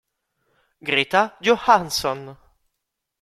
Greta Johansson